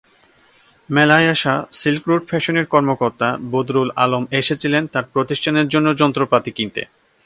মেলায় আসা সিল্করুট ফ্যাশনের কর্মকর্তা বদরুল আলম এসেছিলেন তাঁর প্রতিষ্ঠানের জন্য যন্ত্রপাতি কিনতে।